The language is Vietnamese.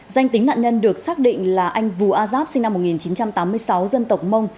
danh tính nạn nhân được xác định là anh vũ a giáp sinh năm một nghìn chín trăm tám mươi sáu dân tộc mông